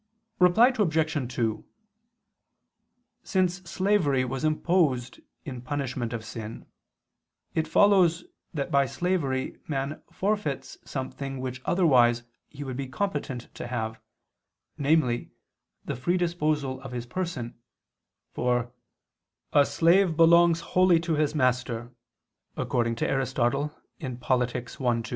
Reply Obj. 2: Since slavery was imposed in punishment of sin, it follows that by slavery man forfeits something which otherwise he would be competent to have, namely the free disposal of his person, for "a slave belongs wholly to his master" [*Aristotle, Polit. i, 2].